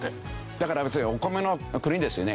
だからお米の国ですよね。